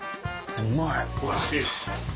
うまい。